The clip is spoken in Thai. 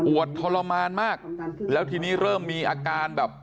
ทรมานมากแล้วทีนี้เริ่มมีอาการแบบ